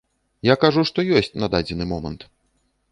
Я кажу, што ёсць на дадзены момант.